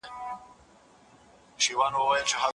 احمد شاه ابدالي څنګه د پوځ مشر سو؟